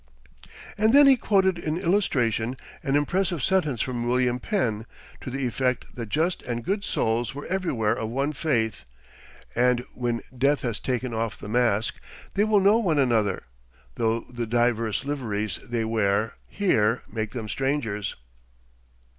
And then he quoted in illustration an impressive sentence from William Penn, to the effect that just and good souls were everywhere of one faith, and "when death has taken off the mask, they will know one another, though the diverse liveries they wear here make them strangers."